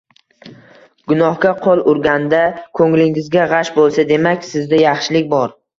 gunohga qo‘l urganda ko‘nglingiz g‘ash bo‘lsa, demak, sizda yaxshilik bor.